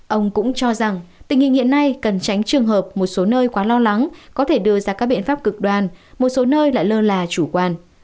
ông cũng cho rằng tình hình hiện nay cần tránh trường hợp một số nơi quá lo lắng có thể đưa ra các biện pháp cực đoan một số nơi lại lơ là chủ quan